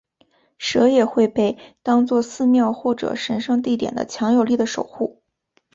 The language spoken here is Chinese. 蛇也会被当做寺庙或者神圣地点的强有力的守护。